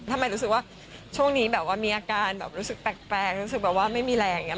รู้สึกว่าช่วงนี้แบบว่ามีอาการแบบรู้สึกแปลกรู้สึกแบบว่าไม่มีแรงอย่างนี้